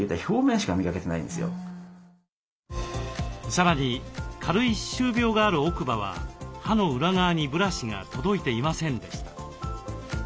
さらに軽い歯周病がある奥歯は歯の裏側にブラシが届いていませんでした。